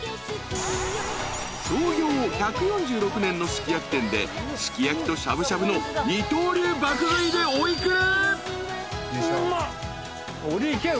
［創業１４６年のすき焼き店ですき焼きとしゃぶしゃぶの二刀流爆食いでお幾ら？］